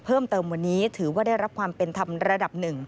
เพิ่มเติมวันนี้ถือว่าได้เริ่มรับความเป็นทำระดับ๑